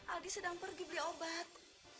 aldi sedang pergi beli obat